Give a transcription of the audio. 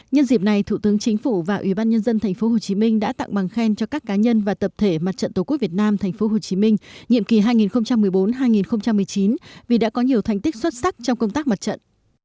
nhân dịp này thủ tướng chính phủ và ủy ban nhân dân thành phố hồ chí minh đã tặng bằng khen cho các cá nhân và tập thể mặt trận tổ quốc việt nam thành phố hồ chí minh nhiệm kỳ hai nghìn một mươi bốn hai nghìn một mươi chín vì đã có nhiều thành tích xuất sắc trong công tác mặt trận